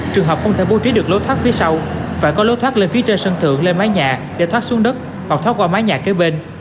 trường hợp không thể bố trí được lối thoát phía sau phải có lối thoát lên phía trên sân thượng lên mái nhà để thoát xuống đất hoặc thoát qua mái nhà kế bên